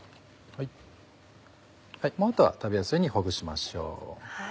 もうあとは食べやすいようにほぐしましょう。